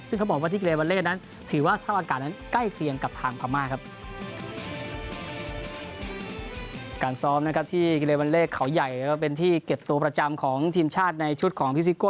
ซึ่งก็ถือว่าร่างกายมีความพร้อมอยู่แล้ว